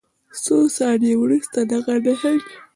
څو ثانیې وروسته دغه نهنګ